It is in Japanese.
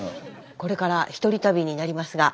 これから一人旅になりますが。